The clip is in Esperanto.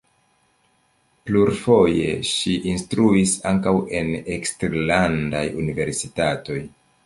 Plurfoje ŝi instruis ankaŭ en eksterlandaj universitatoj.